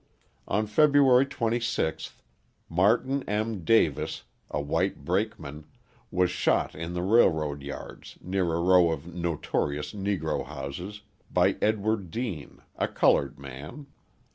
On February 26th, Martin M. Davis, a white brakeman, was shot in the railroad yards near a row of notorious Negro houses, by Edward Dean, a coloured man.